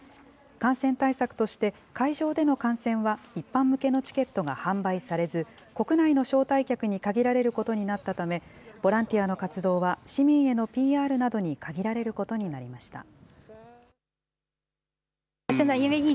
感染対策として、会場での観戦は一般向けのチケットが販売されず、国内の招待客に限られることになったため、ボランティアの活動は市民へのＰＲなどに限られることになりました。